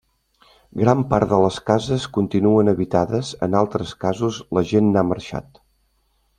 Gran part de les cases continuen habitades, en altres casos la gent n'ha marxat.